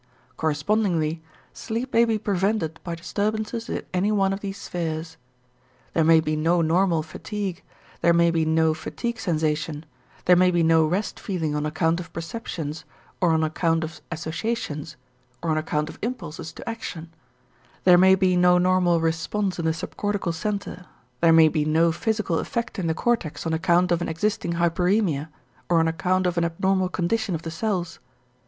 Correspondingly sleep may be prevented by disturbances in any one of these spheres. There may be no normal fatigue, there may be no fatigue sensation, there may be no rest feeling on account of perceptions, or on account of associations, or on account of impulses to action; there may be no normal response in the subcortical center, there may be no physical effect in the cortex on account of an existing hyperæmia or on account of an abnormal condition of the cells.